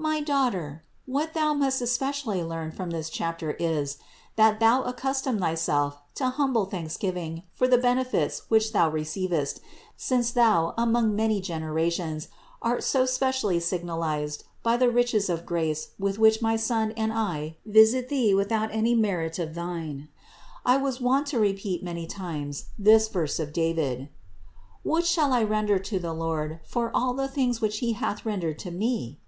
617. My daughter, what thou must especially learn from this chapter is, that thou accustom thyself to humble thanksgiving for the benefits which thou receivest, since thou, among many generations, art so specially signalized by the riches of grace with which my Son and I visit thee without any merit of thine. I was wont to repeat many times this verse of David : "What shall I render to the Lord for all the things that he hath rendered to me?"